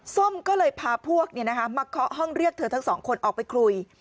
ส้มก็เลยพาพวกมาเคาะห้องเรียกเธอทั้งสองคนออกไปคุย